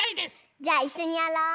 じゃあいっしょにやろう！